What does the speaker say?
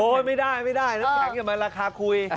ไม่ได้ไม่ได้น้ำแข็งอย่ามาราคาคุย